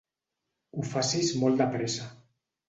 Ho facis molt de pressa.